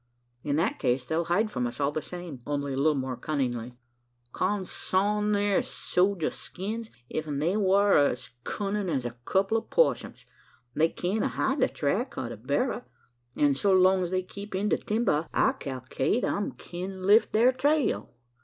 "In that case, they'll hide from us all the same only a little more cunningly." "Consarn their sojer skins! Ef they war as cunnin' as a kupple o' possums, they can't a hide the track o' the berra; an' so long's they keep in the timber, I kalklate I kin lift thar trail.